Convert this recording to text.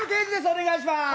お願いします